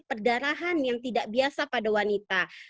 perdarahan yang tidak biasa pada wanita